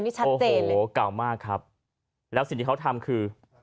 นี่ชัดเจนเลยโอ้โหเก่ามากครับแล้วสิ่งที่เขาทำคือ